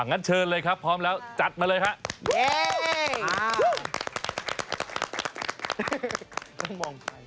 งั้นเชิญเลยครับพร้อมแล้วจัดมาเลยครับ